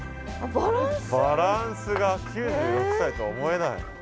バランスが９６歳とは思えない。